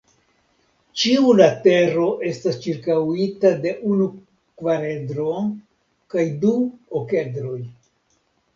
Ĉiu latero estas ĉirkaŭita de unu kvaredro kaj du okedroj.